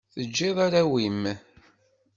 Teǧǧiḍ arraw-im.